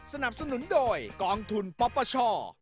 สนับสนุนโดยกองทุนป๊อปป้าช่อ